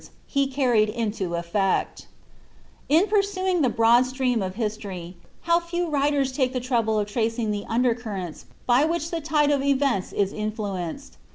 ^, he carricil into eflect In purauing the broad stream of history, how few writers take the trouble of tracing the under currents by which the tide of events is influ enced